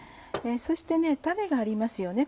そして種がありますよね